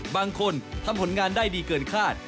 บางคนทำผลงานได้ดีเกินคาด